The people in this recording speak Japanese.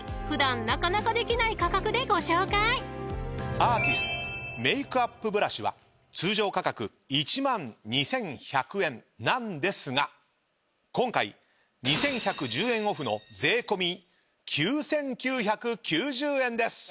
アーティスメイクアップブラシは通常価格１万２，１００円なんですが今回２，１１０円オフの税込み９，９９０円です。